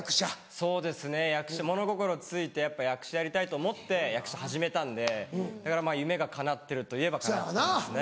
そうですね役者物心ついてやっぱ役者やりたいと思って役者始めたんでだからまぁ夢がかなってるといえばかなってますね。